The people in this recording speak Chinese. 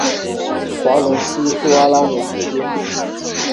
华伦西亚拉素阿美利加科罗拉多急流